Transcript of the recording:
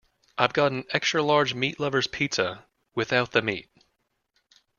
I’ve got an extra large meat lover’s pizza, without the meat?